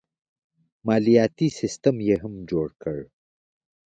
مالیاتي سیستم یې هم جوړ کړ.